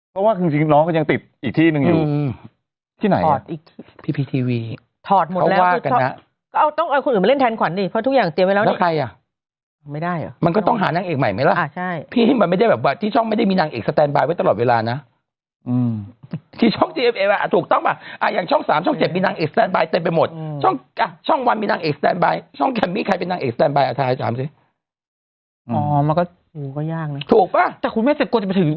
ภูมิแสนภูมิแสนภูมิแสนภูมิแสนภูมิแสนภูมิแสนภูมิแสนภูมิแสนภูมิแสนภูมิแสนภูมิแสนภูมิแสนภูมิแสนภูมิแสนภูมิแสนภูมิแสนภูมิแสนภูมิแสนภูมิแสนภูมิแสนภูมิแสนภูมิแสนภูมิแสนภูมิแสนภูมิ